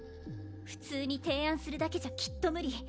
普通に提案するだけじゃきっと無理